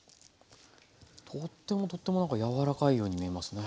とってもとっても何か柔らかいように見えますね。